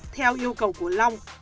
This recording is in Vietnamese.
theo yêu cầu của long